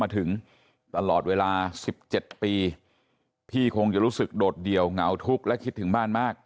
ถึงตลอดเวลา๑๗ปีพี่คงจะรู้สึกโดดเดี่ยวเหงาทุกข์และคิดถึงบ้านมาก